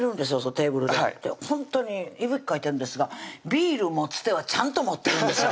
テーブルでほんとにいびきかいてるんですがビール持つ手はちゃんと持ってるんですよ